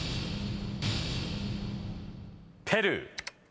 ペルー。